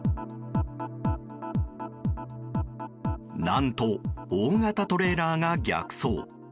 何と大型トレーラーが逆走。